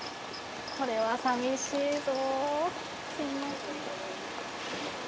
これはさみしいぞ。